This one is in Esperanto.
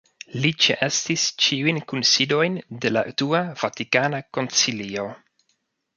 Li ĉeestis ĉiujn kunsidojn de la dua Vatikana Koncilio.